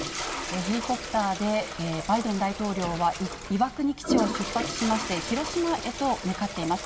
ヘリコプターでバイデン大統領は岩国基地を出発しまして、広島へと向かっています。